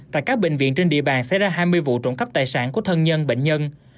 tại các bệnh viện trên địa bàn xảy ra hai mươi vụ trộm cắp tài sản của thân nhân bệnh nhân